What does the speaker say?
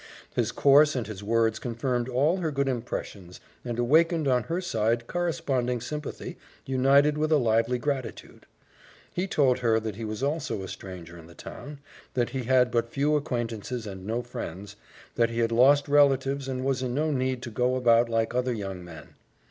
His course and his words confirmed all her good impressions and awakened on her side corresponding sympathy united with a lively gratitude. He told her that he also was a stranger in the town, that he had but few acquaintances and no friends, that he had lost relatives and was in no need to go about like other young men.